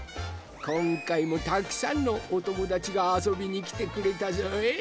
こんかいもたくさんのおともだちがあそびにきてくれたぞい。